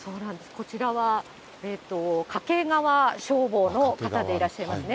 こちらは掛川消防の方でいらっしゃいますね。